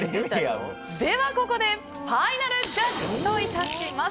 ここでファイナルジャッジといたします。